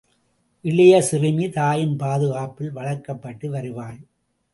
இளைய சிறுமி, தாயின் பாதுகாப்பில் வளர்க்கப்பட்டு வருவாள்.